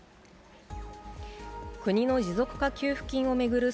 国の持続化給付金を巡る